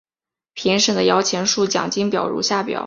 评审的摇钱树奖金表如下表。